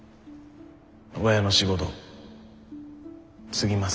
親の仕事継ぎます。